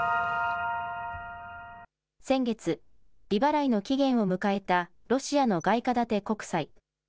先月、利払いの期限を迎えたロシアの外貨建て国債。